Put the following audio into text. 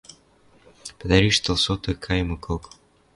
Пӹтӓриш тылсоты каймыкок